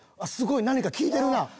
すごい！何か聞いてるな。